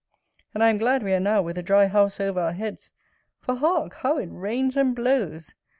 And I am glad we are now with a dry house over our heads; for, hark! how it rains and blows.